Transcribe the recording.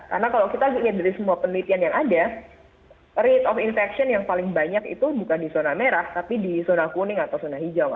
karena kalau kita lihat dari semua penelitian yang ada rate of infection yang paling banyak itu bukan di zona merah tapi di zona kuning atau di zona hijau